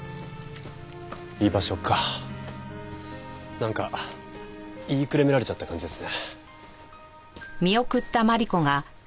なんか言いくるめられちゃった感じですね。